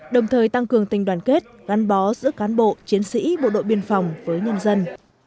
đồng thời tăng cường tình đoàn kết gắn bó giữa cán bộ chiến sĩ bộ đội biên phòng với nhân dân